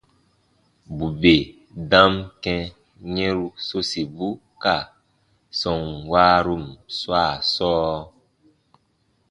Bù bè dam kɛ̃ yɛ̃ru sosibu ka sɔm waarun swaa sɔɔ,